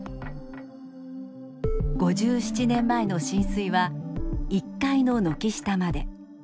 ５７年前の浸水は１階の軒下まで。